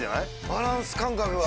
バランス感覚が。